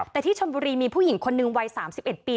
แต่ที่ชนบุรีมีผู้หญิงคนหนึ่งวัย๓๑ปี